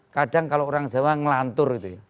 kadang kalau orang jawa ngelantur itu ya